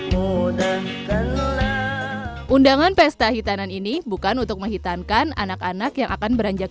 mudahkan undangan pesta hitanan ini bukan untuk menghitankan anak anak yang akan beranjak